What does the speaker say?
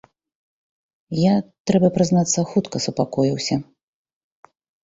Я, трэба прызнацца, хутка супакоіўся.